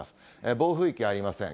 暴風域はありません。